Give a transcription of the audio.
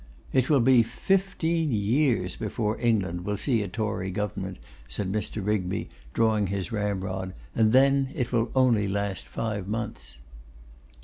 'It will be fifteen years before England will see a Tory Government,' said Mr. Rigby, drawing his ramrod, 'and then it will only last five months.